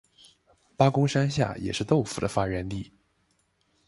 八公山下也是豆腐的发源地。